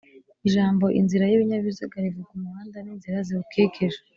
Ijambo "inzira y'ibinyabiziga", rivuga umuhanda n'inzira ziwukikije